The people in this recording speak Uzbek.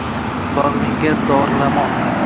Bagʼringga dorilamon